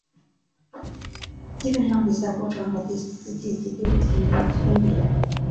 基本上比赛过程和第四季及第五季没有分别。